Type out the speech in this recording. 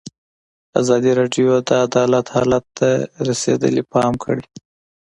ازادي راډیو د عدالت حالت ته رسېدلي پام کړی.